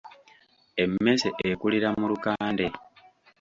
Emmese ekulira mu lukande.